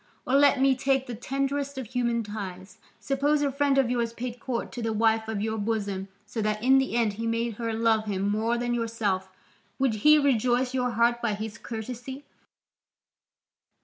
Or let me take the tenderest of human ties: suppose a friend of yours paid court to the wife of your bosom so that in the end he made her love him more than yourself, would he rejoice your heart by his courtesy?